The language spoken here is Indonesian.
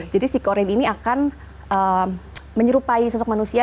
jadi si corin ini akan menyerupai sosok manusia